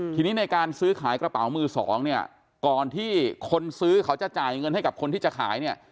ทีนี้ในการซื้อขายกระเป๋ามือสองเนี่ยก่อนที่คนซื้อเขาจะจ่ายเงินให้กับคนที่จะขายเนี่ย